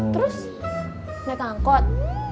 terus naik angkot